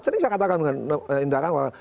sering saya katakan dengan indahkan orang